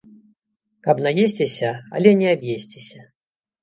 Каб наесціся, але не аб'есціся.